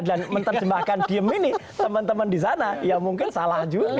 dan menerjemahkan diam ini teman teman di sana ya mungkin salah juga